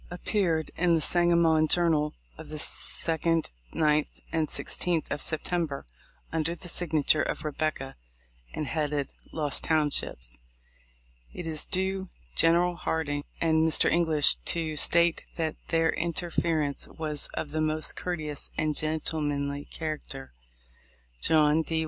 appeared in the Sangamon Journal, of the 2d, 9th, and 16th of September, under the signature of "Rebecca," and headed "Lost Townships." It is due General Hardin and Mr. English to state that their interference was of the most courteous and gentlemanly character. John D.